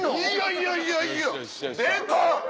いやいやいや出た！